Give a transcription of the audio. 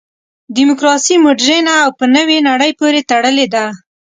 دیموکراسي مډرنه او په نوې نړۍ پورې تړلې ده.